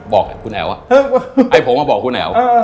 บอกคุณแอ๋วไอ้ผมก็บอกคุณแอ๋ว